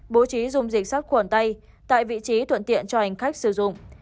bố trí dùng dịch sars cov hai tại vị trí thuận tiện cho hành khách sử dụng